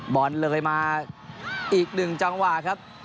บอลเลยมาอีกหนึ่งจังหวะครับ